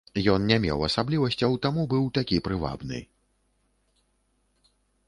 Ён не меў асаблівасцяў, таму быў такі прывабны.